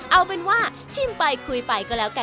เอาเป็นว่าชิมไปคุยไปก็แล้วกัน